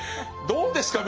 どうですか？